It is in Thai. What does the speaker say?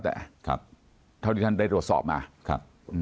เท่าที่ท่านได้โทรสอบมา